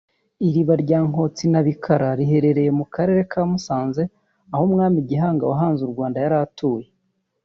Iriba rya Nkotsi na Bikara riherereye mu karere ka Musanze aho Umwami Gihanga wahanze u Rwanda yari atuye